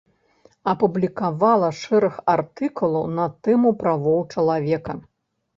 Апублікавала шэраг артыкулаў на тэму правоў чалавека.